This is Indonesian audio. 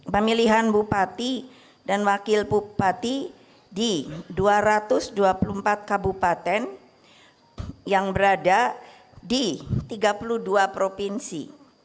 pemilihan bupati dan wakil bupati di dua ratus dua puluh empat kabupaten yang berada di tiga puluh dua provinsi